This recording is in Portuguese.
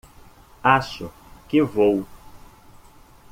Acho que vou.